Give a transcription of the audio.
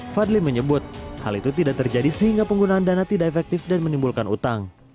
fadli menyebut hal itu tidak terjadi sehingga penggunaan dana tidak efektif dan menimbulkan utang